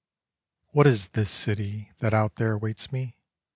What is this city that out there awaits me?